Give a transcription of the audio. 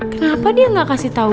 kenapa dia nggak kasih tahu